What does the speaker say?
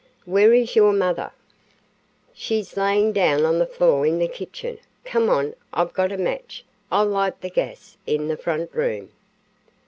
"Where is your mother?" "She's layin' down on the floor in the kitchen. Come on, I've got a match. I'll light the gas in the front room."